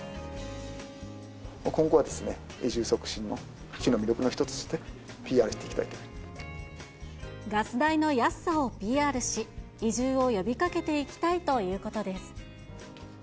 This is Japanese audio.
今後は移住促進の市の魅力のガス代の安さをＰＲし、移住を呼びかけていきたいということです。